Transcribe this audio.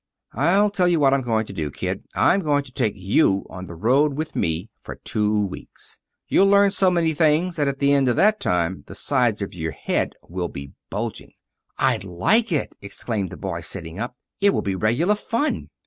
I'll tell you what I'm going to do, Kid. I'm going to take you on the road with me for two weeks. You'll learn so many things that at the end of that time the sides of your head will be bulging." "I'd like it!" exclaimed the boy, sitting up. "It will be regular fun."